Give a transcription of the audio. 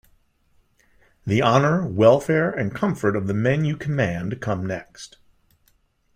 The honour, welfare and comfort of the men you command come next.